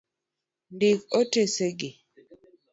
Ndik otese gi.